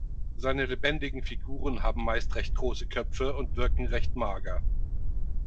Seine lebendigen Figuren haben meist recht große Köpfe und wirken recht mager.